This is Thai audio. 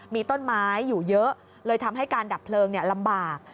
มีต้นไม้อยู่เยอะเลยทำให้การดับเพลิงลำบาก